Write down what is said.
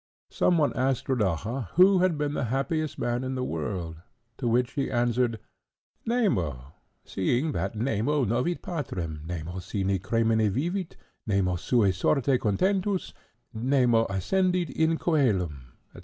Some one asked Rodaja, who had been the happiest man in the world? To which he answered—"Nemo, seeing that Nemo novit patrem—Nemo sine crimine vivit—Nemo sua sorte contentus—Nemo ascendit in coelum," &c.